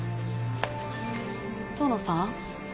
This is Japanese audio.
遠野さん？